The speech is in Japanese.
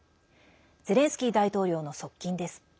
ゼレンスキー大統領の側近です。